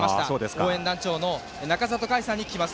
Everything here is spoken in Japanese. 応援団長の仲里佳さんに聞きます。